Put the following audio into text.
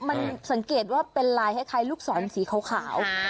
มันสังเกตว่าเป็นลายคล้ายลูกศรสีขาว